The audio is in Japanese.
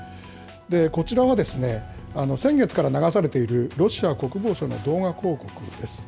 こちらは先月から流されているロシア国防省の動画広告です。